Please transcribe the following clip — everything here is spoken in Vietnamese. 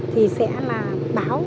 thì sẽ là báo